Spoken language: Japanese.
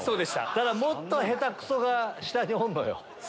ただもっと下手クソが下におんのよ。